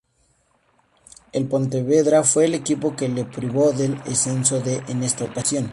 El Pontevedra fue el equipo que le privó del ascenso en esta ocasión.